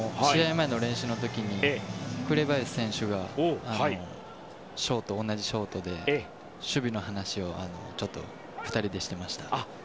前の練習の時に紅林選手が同じショートで守備の話をちょっと２人でしてました。